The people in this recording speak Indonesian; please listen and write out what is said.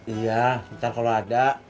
iya ntar kalau ada